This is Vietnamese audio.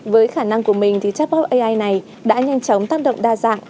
với khả năng của mình thì chatbook ai này đã nhanh chóng tác động đa dạng